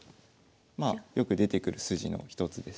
まあよく出てくる筋の一つです。